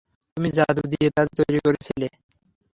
তুমি জাদু দিয়ে তাদের তৈরি করেছিলে।